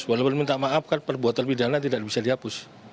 walaupun minta maaf kan perbuatan pidana tidak bisa dihapus